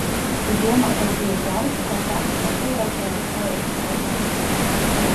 Tu domā tas bija jauki, ka kāds nepajautāja, ko es vēlos?